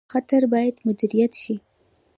خطر باید مدیریت شي